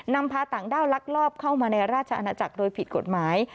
พาต่างด้าวลักลอบเข้ามาในราชอาณาจักรโดยผิดกฎหมาย